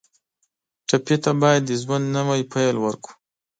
ټپي ته باید د ژوند نوی پیل ورکړو.